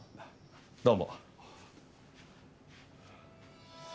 どうも。